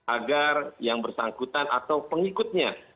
agar yang bersangkutan atau pengikutnya